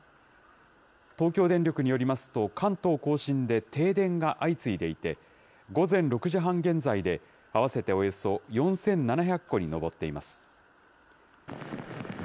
東京電力によりますと、関東甲信で停電が相次いでいて、午前６時半現在で、合わせておよそ４７００戸に上っています。